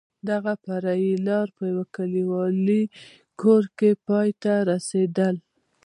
دغه فرعي لار په یو کلیوالي کور کې پای ته رسېدل.